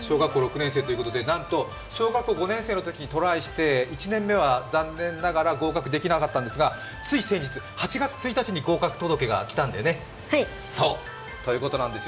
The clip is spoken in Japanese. なんと小学５年生のときにトライして１年目は残念ながら合格できなかったんですが、つい先日８月１日に合格届が来たんだよね？ということなんですよ。